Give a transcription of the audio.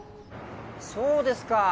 そうですか。